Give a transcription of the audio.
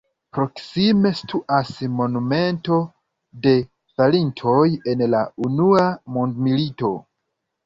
Proksime situas monumento de falintoj en la unua mondmilito.